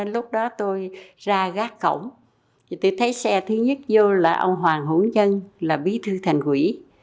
lúc đó tôi ra gác cổng tôi thấy xe thứ nhất vô là ông hoàng hũn dân là bí thư thành quỷ